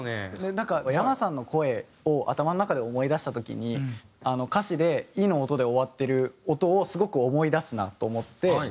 なんかｙａｍａさんの声を頭の中で思い出した時に歌詞で「い」の音で終わってる音をすごく思い出すなと思って。